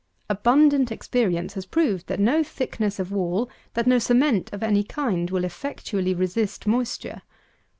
Abundant experience has proved, that no thickness of wall, that no cement of any kind, will effectually resist moisture.